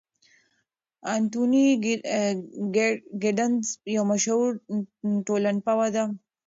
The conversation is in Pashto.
انتوني ګیدنز یو مشهور ټولنپوه دی.